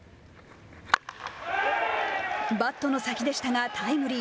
バットの先でしたが、タイムリー。